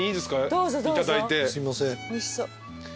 すいません。